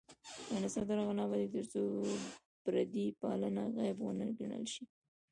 افغانستان تر هغو نه ابادیږي، ترڅو پردی پالنه عیب ونه ګڼل شي.